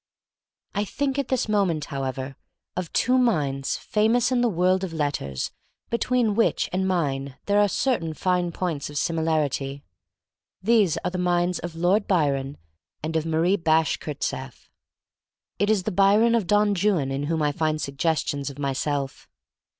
I think at this moment, however, of two minds famous in the world of let ters between which and mine there are certain fine points of similarity. These are the minds of Lord Byron and of Marie Bashkirtseff. It is the Byron of "Don Juan" in whom I find suggestions 4 THE STORY OF MARY MAC LANE of myself.